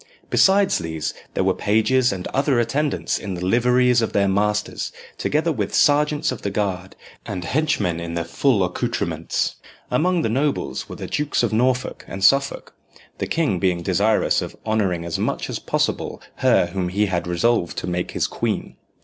Besides these, there were pages and other attendants in the liveries of their masters, together with sergeants of the guard and henchmen in their full accoutrements. Among the nobles were the Dukes of Norfolk and Suffolk the king being desirous of honouring as much as possible her whom he had resolved to make his queen.